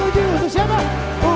untuk danjap reno